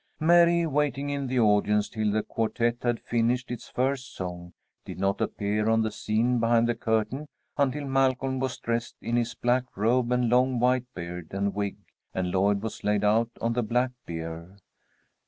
Mary, waiting in the audience till the quartette had finished its first song, did not appear on the scene behind the curtain until Malcolm was dressed in his black robe and long white beard and wig, and Lloyd was laid out on the black bier.